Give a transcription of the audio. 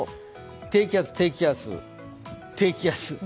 低気圧、低気圧、低気圧。